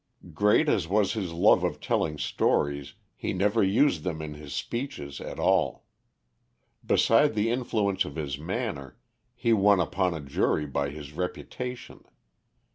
Great as was his love of telling stories, he never used them in his speeches at all. Beside the influence of his manner, he won upon a jury by his reputation.